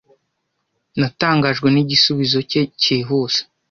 Natangajwe nigisubizo cye cyihuse.